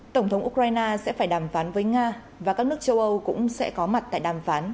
tổng thống ukraine sẽ phải đàm phán với nga và các nước châu âu cũng sẽ có mặt tại đàm phán